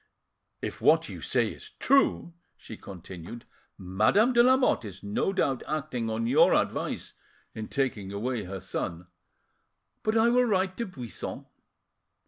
"If what you say is true," she continued, "Madame de Lamotte is no doubt acting on your advice in taking away her son. But I will write to Buisson."